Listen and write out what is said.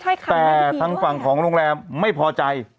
แต่ทางฝั่งของโรงแรมไม่พอใจ